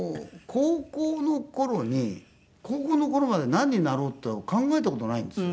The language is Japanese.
高校の頃に高校の頃まで何になろうっていうのを考えた事ないんですよ。